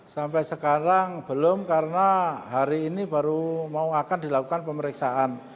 sampai sekarang belum karena hari ini baru mau akan dilakukan pemeriksaan